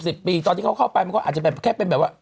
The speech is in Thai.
เป็น๑๐ปีตอนที่เขาเข้าไปก็อาจจะแค่เป็นแบบว่า